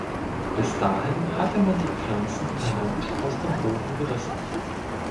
Bis dahin hatte man die Pflanzen per Hand aus dem Boden gerissen.